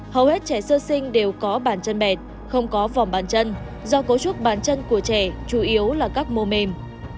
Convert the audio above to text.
hầu hết trẻ sơ sinh đều có bàn chân bẹt không có vòng bàn chân do cấu trúc bàn chân của trẻ chủ yếu là các mô mềm